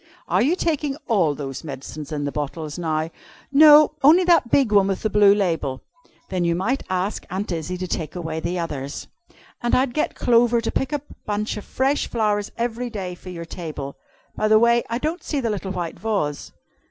Are you taking all those medicines in the bottles now?" "No only that big one with the blue label." "Then you might ask Aunt Izzy to take away the others. And I'd get Clover to pick a bunch of fresh flowers every day for your table. By the way, I don't see the little white vase."